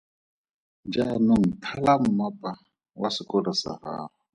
Jaanong thala mmapa wa sekolo sa gago.